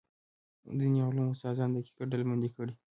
دیني علومو استادان دقیقه ډلبندي کړي.